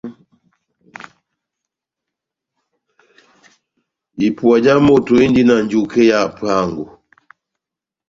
Ipuwa já moto indi na njuke ya hapuango.